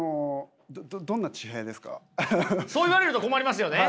そう言われると困りますよね。